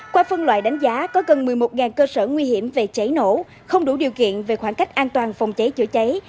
qua phân loại đánh giá có gần một mươi một cơ sở nguy hiểm về cháy nổ không đủ điều kiện về khoảng cách an toàn phòng cháy chữa cháy